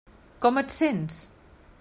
Com et sents?